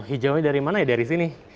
hijau dari mana dari sini